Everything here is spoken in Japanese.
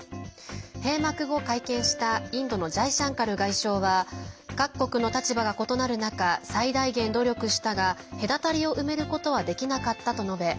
閉幕後、会見したインドのジャイシャンカル外相は各国の立場が異なる中最大限、努力したが隔たりを埋めることはできなかったと述べ